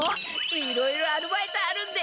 いろいろアルバイトあるんで！